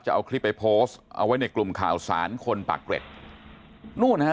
เอาคลิปไปโพสต์เอาไว้ในกลุ่มข่าวสารคนปากเกร็ดนู่นนะฮะ